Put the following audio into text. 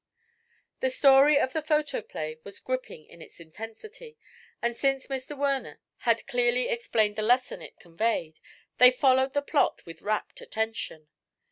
The story of the photo play was gripping in its intensity, and since Mr. Werner had clearly explained the lesson it conveyed, they followed the plot with rapt attention.